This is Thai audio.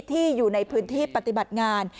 ที่อยู่ในพื้นที่ปฏิบัติงาน